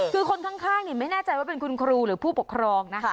คือคนข้างไม่แน่ใจว่าอยู่ดูผู้ปกครอง